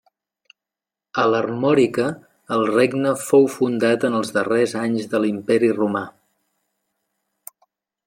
A l'Armòrica el regne fou fundat en els darrers anys de l'Imperi Romà.